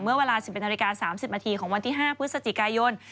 เวลา๑๑นาฬิกา๓๐นาทีของวันที่๕พฤศจิกายน